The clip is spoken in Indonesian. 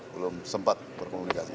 belum sempat berkomunikasi